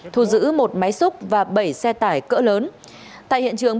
thu giữ một máy xúc và bảy xe tải cỡ lớn